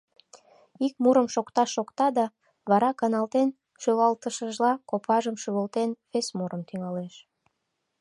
Ик мурым шокта-шокта да, вара, каналтен шӱлалтышыжла, копажым шӱвылтен, вес мурым тӱҥалеш.